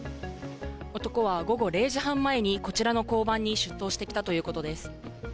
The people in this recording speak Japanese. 男は午後０時半前に、こちらの交番に出頭してきたということです。